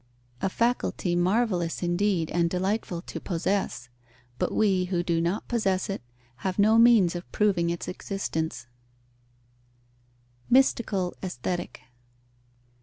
A faculty marvellous indeed and delightful to possess; but we, who do not possess it, have no means of proving its existence. _Mystical aesthetic.